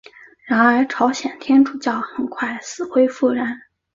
然而朝鲜天主教很快死灰复燃。